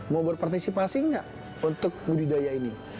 mau berpartisipasi nggak untuk budidaya ini